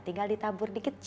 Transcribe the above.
tinggal ditabur dikit jadi deh